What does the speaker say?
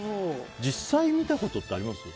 実際見たことあります？